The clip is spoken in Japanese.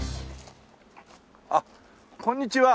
あっこんにちは。